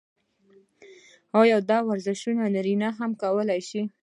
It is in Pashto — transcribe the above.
دا ورزشونه نارينه هم کولے شي -